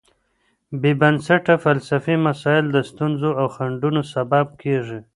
بېبنسټه فلسفي مسایل د ستونزو او خنډونو سبب کېږي.